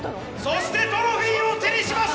そしてトロフィーを手にします